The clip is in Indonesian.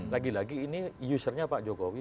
lagi lagi ini usernya pak jokowi